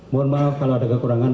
mohon maaf kalau ada kekurangan